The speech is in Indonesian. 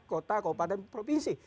kota kawupaten provinsi